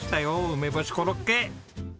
梅干しコロッケ！